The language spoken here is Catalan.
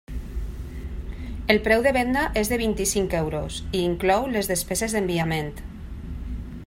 El preu de venda és de vint-i-cinc euros i inclou les despeses d'enviament.